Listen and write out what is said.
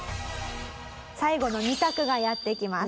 最後の２択がやって来ます。